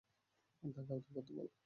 তাকে আবেদন করতে বলো।